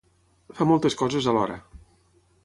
Fa moltes coses alhora.